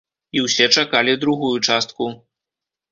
І ўсе чакалі другую частку.